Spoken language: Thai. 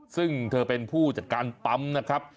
ซึ่งเธอเป็นผู้จัดการปั๊มนะครับ